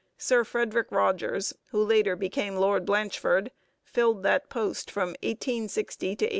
Sir Frederic Rogers (who later became Lord Blachford) filled that post from 1860 to 1871.